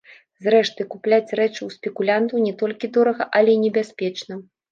Зрэшты, купляць рэчы ў спекулянтаў не толькі дорага, але і небяспечна.